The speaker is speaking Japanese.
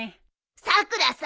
さくらさん